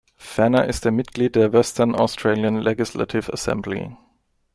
Ferner ist er Mitglied der Western Australian Legislative Assembly.